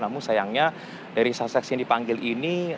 namun sayangnya dari saksi saksi yang dipanggil ini